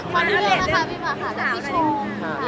มาด้วยนะคะพี่หมอค่ะแล้วพี่ชม